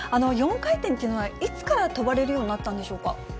４回転というのはいつから跳ばれるようになったんでしょうか。